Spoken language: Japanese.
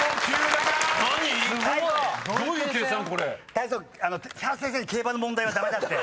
泰造林先生に競馬の問題は駄目だって。